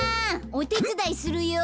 おてつだいするよ。